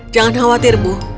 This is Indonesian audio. jangan khawatir ibu